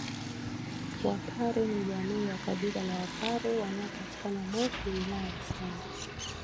Wapare ni jamii ya kabila la wapare wanapatikana moshi wilaya ya same